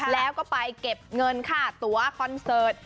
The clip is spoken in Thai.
แล้วก็ไปเก็บเงินค่าตัวคอนเสิร์ต